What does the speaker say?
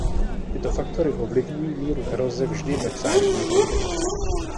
Tyto faktory ovlivňují míru eroze vždy ve vzájemné kombinaci.